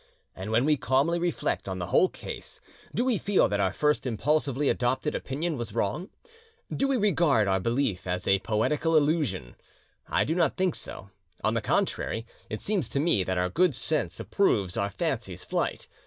And when we calmly reflect on the whole case, do we feel that our first impulsively adopted opinion was wrong? Do we regard our belief as a poetical illusion? I do not think so; on the contrary, it seems to me that our good sense approves our fancy's flight.